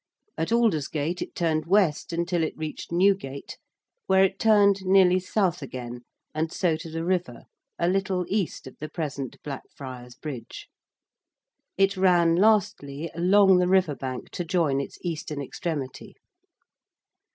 At Aldersgate it turned W. until it reached Newgate, where it turned nearly S. again and so to the river, a little east of the present Blackfriars Bridge. It ran, lastly, along the river bank to join its eastern extremity.